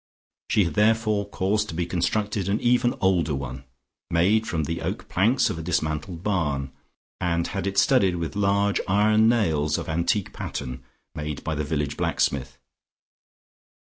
She had therefore caused to be constructed an even older one made from the oak planks of a dismantled barn, and had it studded with large iron nails of antique pattern made by the village blacksmith.